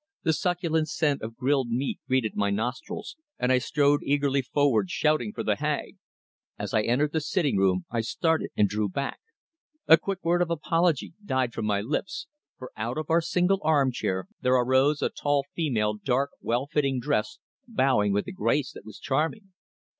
The succulent scent of grilled meat greeted my nostrils, and I strode eagerly forward shouting for the Hag. As I entered the sitting room I started and drew back. A quick word of apology died from my lips, for out of our single armchair there arose a tall female dark, well fitting dress, bowing with a grace that was charming.